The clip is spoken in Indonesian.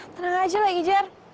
tenang aja lah ijar